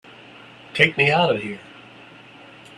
Take me out of here!